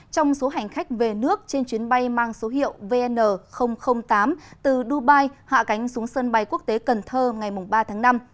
trong số hành khách về nước trên chuyến bay mang số hiệu vn tám từ dubai hạ cánh xuống sân bay quốc tế cần thơ ngày ba tháng năm